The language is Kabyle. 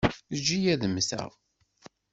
Eǧǧ-iyi ad mmteɣ.